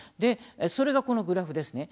それが、このグラフですね。